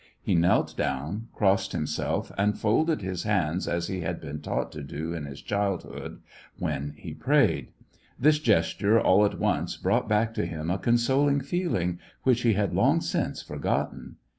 He knelt down, crossed himself, and folded his hands as he had been taught to do in his childhood, when he prayed. This gesture, all at once, brought back to him a consoling feeling, which he had long since forgotten.